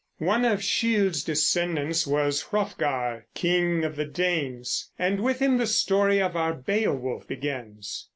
One of Scyld's descendants was Hrothgar, king of the Danes; and with him the story of our Beowulf begins.